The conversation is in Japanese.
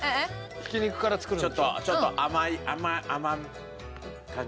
ひき肉から作るんでしょ？